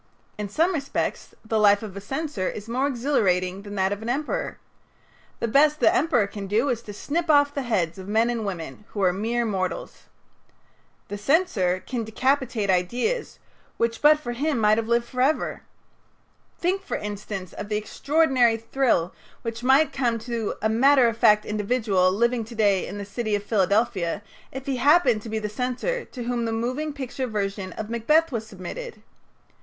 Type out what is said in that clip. In some respects the life of a censor is more exhilarating than that of an emperor. The best the emperor can do is to snip off the heads of men and women, who are mere mortals. The censor can decapitate ideas which but for him might have lived forever. Think, for instance, of the extraordinary thrill which might come to a matter of fact individual living to day in the city of Philadelphia if he happened to be the censor to whom the moving picture version of "Macbeth" was submitted.